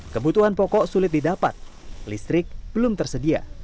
kebutuhan pokok sulit didapat listrik belum tersedia